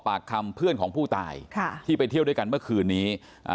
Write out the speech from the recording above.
ปากคำเพื่อนของผู้ตายค่ะที่ไปเที่ยวด้วยกันเมื่อคืนนี้อ่า